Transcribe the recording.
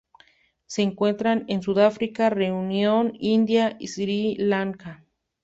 Se encuentran en Sudáfrica, Reunión, India y Sri Lanka.